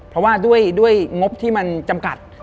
เพราะว่าด้วยงบที่มันจำกัด